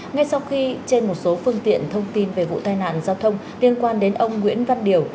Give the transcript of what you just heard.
ngay sau khi trên một số phương tiện thông tin về vụ tai nạn giao thông liên quan đến ông nguyễn văn điều